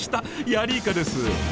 ヤリイカです！